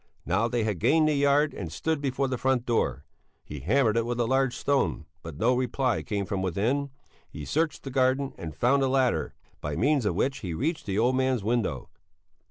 Now they had gained the yard and stood before the front door. He hammered it with a large stone, but no reply came from within; he searched the garden and found a ladder, by means of which he reached the old man's window.